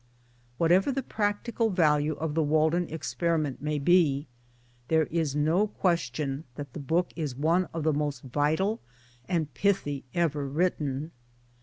Whatever the practical value of the Walden experi ment may be, there is no question that the book is one of the most vital and pithy ever written.